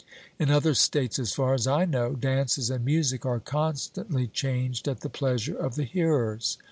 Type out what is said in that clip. In other states, as far as I know, dances and music are constantly changed at the pleasure of the hearers.'